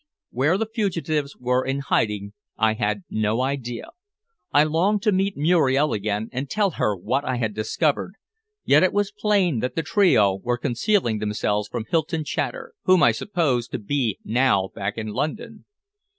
Where the fugitives were in hiding I had no idea. I longed to meet Muriel again and tell her what I had discovered, yet it was plain that the trio were concealing themselves from Hylton Chater, whom I supposed to be now back in London.